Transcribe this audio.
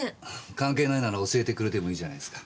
関係ないなら教えてくれてもいいじゃないすか。